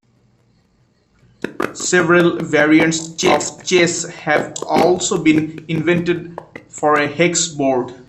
Several variants of chess have also been invented for a hex board.